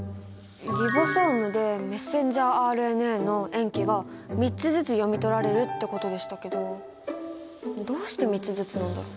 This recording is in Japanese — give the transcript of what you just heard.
リボソームでメッセンジャーＲＮＡの塩基が３つずつ読み取られるってことでしたけどどうして３つずつなんだろう？